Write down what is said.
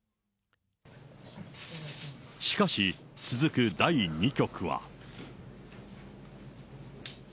しかし、続く第２局は。